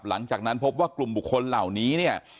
หลังจากนั้นพบว่ากลุ่มบุคคลเหล่านี้เนี่ย